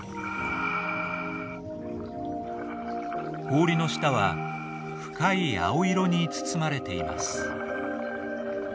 氷の下は深い青色に包まれています。